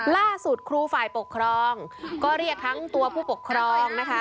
ครูฝ่ายปกครองก็เรียกทั้งตัวผู้ปกครองนะคะ